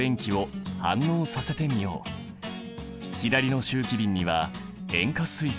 左の集気びんには塩化水素。